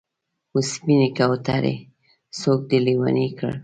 و سپینې کوترې! څوک دې لېونی کړل؟